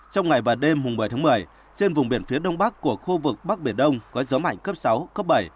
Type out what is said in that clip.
trong ngày và đêm một mươi tháng một mươi trên vùng biển phía đông bắc của khu vực bắc biển đông có gió mạnh cấp sáu cấp bảy